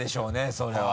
それは。